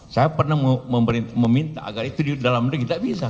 saya pernah meminta agar itu di dalamnya kita bisa